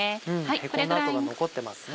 へこんだ跡が残ってますね。